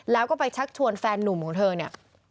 แล้วก็ไปชักชวนแฟนนุ่มของเธอเนี่ย